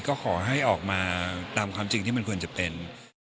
ก็ขอให้ออกมาตามความจริงที่มันควรจะเป็น